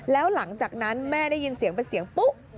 แล้วหลังจากนั้นแม่ได้ยินเสียงเป็นเสียงปุ๊บ